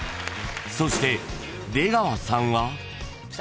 ［そして出川さんは］